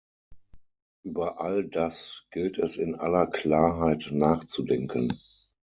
Über all das gilt es in aller Klarheit nachzudenken.